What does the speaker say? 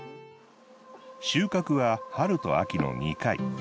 収穫は春と秋の２回。